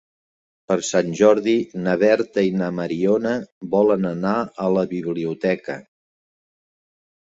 Per Sant Jordi na Berta i na Mariona volen anar a la biblioteca.